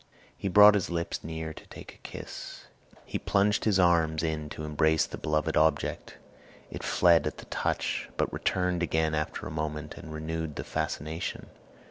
He brought his lips near to take a kiss; he plunged his arms in to embrace the beloved object. It fled at the touch, but returned again after a moment and renewed the fascination.